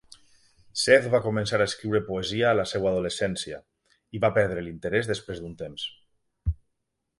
Seth va començar a escriure poesia a la seva adolescència, hi va perdre l'interès després d'un temps.